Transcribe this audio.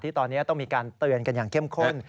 ตอนนี้ต้องมีการเตือนกันอย่างเข้มข้น